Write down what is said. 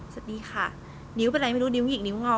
สวัสดีค่ะนิ้วเป็นอะไรไม่รู้นิ้วหิกนิ้วงอ